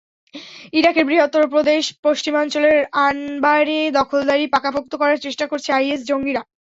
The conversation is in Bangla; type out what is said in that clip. ইরাকের বৃহত্তম প্রদেশ পশ্চিমাঞ্চলের আনবারে দখলদারি পাকাপোক্ত করার চেষ্টা করছে আইএস জঙ্গিরা।